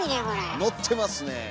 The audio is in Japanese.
のってますねえ。